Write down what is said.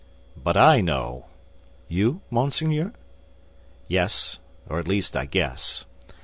"But I know." "You, monseigneur?" "Yes; or at least I guess.